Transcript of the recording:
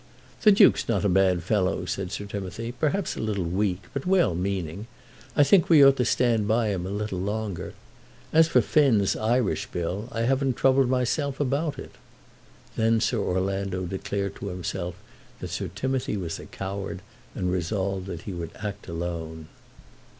"The Duke's not a bad fellow," said Sir Timothy, "perhaps a little weak, but well meaning. I think we ought to stand by him a little longer. As for Finn's Irish Bill, I haven't troubled myself about it." Then Sir Orlando declared to himself that Sir Timothy was a coward, and resolved that he would act alone.